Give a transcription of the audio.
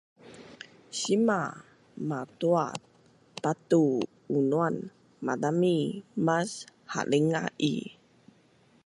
Sima maduaz patu-unuan Mazami mas halinga i